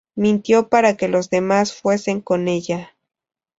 Mintió para que los demás fuesen con ella.